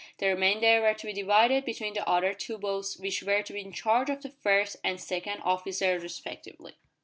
The remainder were to be divided between the other two boats which were to be in charge of the first and second officers respectively.